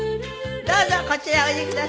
どうぞこちらへおいでください。